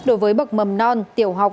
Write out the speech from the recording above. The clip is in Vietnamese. đối với bậc mầm non tiểu học